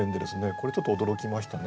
これちょっと驚きましたね。